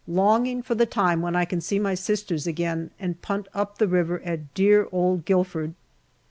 Longing for the time when I can see my sisters again and punt up the river at dear old Guildford.